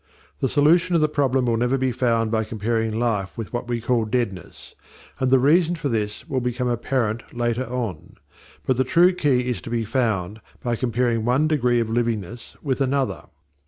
The solution of the problem will never be found by comparing Life with what we call deadness, and the reason for this will become apparent later on; but the true key is to be found by comparing one degree of livingness with another.